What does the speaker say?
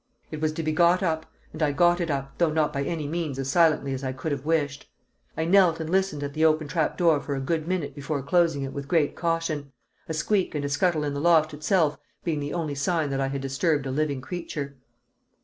It was to be got up, and I got it up, though not by any means as silently as I could have wished. I knelt and listened at the open trap door for a good minute before closing it with great caution, a squeak and a scuttle in the loft itself being the only sign that I had disturbed a living creature.